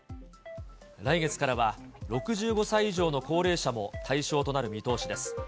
来月からは、６５歳以上の高齢者も対象となる見通しです。